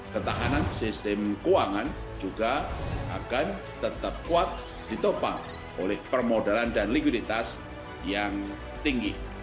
ketahanan sistem keuangan juga akan tetap kuat ditopang oleh permodalan dan likuiditas yang tinggi